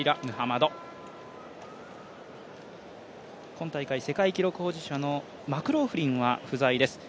今大会、世界記録保持者のマクローフリンは不在です。